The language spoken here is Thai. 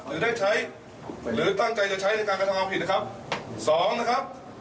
หรือได้ใช้หรือตั้งใจจะใช้ในการกำนักงานผิดนะครับ